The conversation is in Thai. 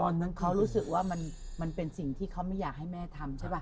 เมื่อเค้ารู้สึกว่ามันเป็นสิ่งที่เขาไม่อยากให้แม่ทำใช่บ้า